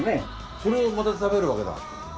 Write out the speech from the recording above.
これをまた食べるわけだ。